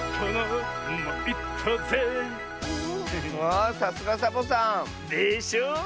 あさすがサボさん。でしょう。